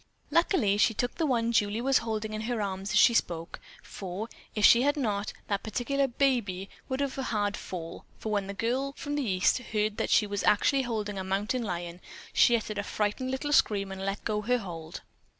Luckily she took the one Julie was holding in her own arms as she spoke, for if she had not, that particular "baby" would have had a hard fall, for when the small girl from the East heard that she was actually holding a mountain lion, she uttered a little frightened scream and let go her hold.